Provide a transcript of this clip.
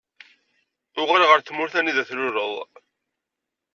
Uɣal ɣer tmurt anida i tluleḍ.